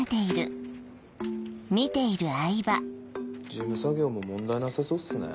事務作業も問題なさそうっすね。